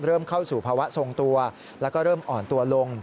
เข้าสู่ภาวะทรงตัวแล้วก็เริ่มอ่อนตัวลง